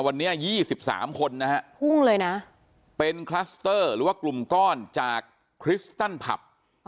วันนี้๒๓คนนะฮะพุ่งเลยนะเป็นคลัสเตอร์หรือว่ากลุ่มก้อนจากคริสตันผับ